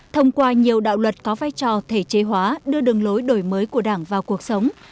thông qua nhiều đạo luật có vai trò thể chế hóa đưa đường lối đổi mới của đảng vào cuộc sống